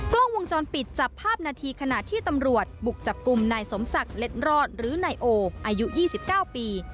กล้องวงจรปิดจับภาพนาทีขณะที่ตำรวจบุกจับกลุ่มนายสมศักดิ์เล็ดรอดหรือนายโออายุ๒๙ปี